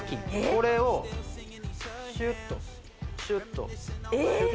これをシュッとシュッとえっ？